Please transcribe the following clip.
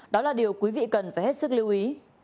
đó là điều quý vị cần phải hết sức lưu ý